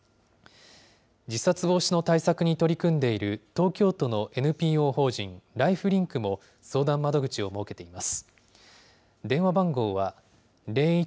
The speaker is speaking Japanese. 自殺防止の対策に取り組んでいる、東京都のＮＰＯ法人ライフリンクも、相談窓口を設けています。